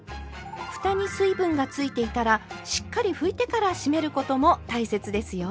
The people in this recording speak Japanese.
ふたに水分がついていたらしっかり拭いてから閉めることも大切ですよ。